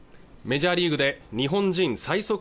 メジャーリーグで日本人最速